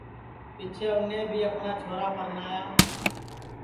پیچھیں اُنے بھی اپٹؔا چھورا پرنایا